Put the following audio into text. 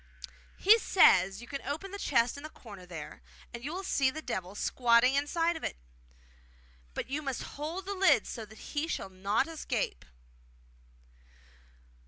'He says you can open the chest in the corner there, and you will see the Devil squatting inside it; but you must hold the lid so that he shall not escape.